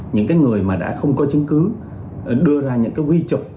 những người mà đã không có chứng cứ đưa ra những quy trục